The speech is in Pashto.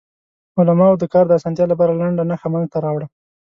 علماوو د کار د اسانتیا لپاره لنډه نښه منځ ته راوړه.